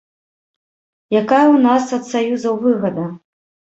Якая ў нас ад саюзаў выгада?